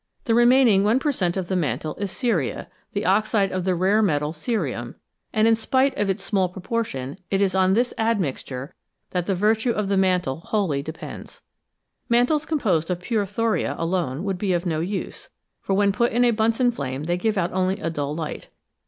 The remaining 1 per cent, of the mantle is ceria, the oxide of the rare metal cerium, and, in spite of its small proportion, it is on this admixture that the virtue of the mantle wholly depends. Mantles composed of pure thoria alone would be of no use, for when put in a Bunscn flame they give out only a dull light.